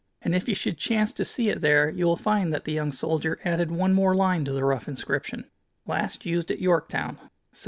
And if you should chance to see it there you will find that the young soldier added one more line to the rough inscription: Last Used at Yorktown, 1781.